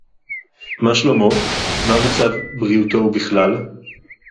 מָה שְלוֹמוֹ? מָה מַצָב בְּרִיאוּתוֹ וּבַכְּלָל?